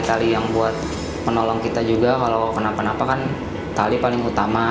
hai sama tali tali yang buat menolong kita juga kalau kenapa kenapa kan tali paling utama